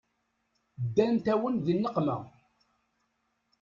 Ddant-awen di nneqma.